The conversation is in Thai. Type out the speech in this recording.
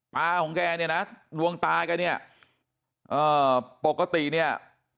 ปลาของแกเนี่ยนะดวงตายกันเนี่ยปกติเนี่ย